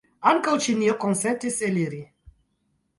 Ankaŭ Ĉinio konsentis eliri.